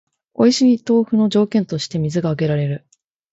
おいしい豆腐の条件として水が挙げられる